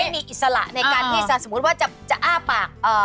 อิสระในการที่จะสมมุติว่าจะอ้าปาก